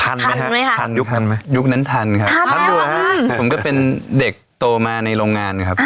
ไหมครับทันยุคทันไหมยุคนั้นทันครับทันดูฮะผมก็เป็นเด็กโตมาในโรงงานครับ